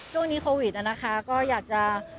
ช่วงนี้โควิดนะคะก็อยากจะ